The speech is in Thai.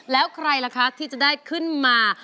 แล้วใครล่ะคะที่จะได้ขึ้นมา